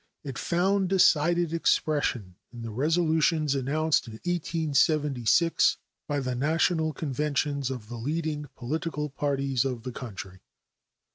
It found decided expression in the resolutions announced in 1876 by the national conventions of the leading political parties of the country.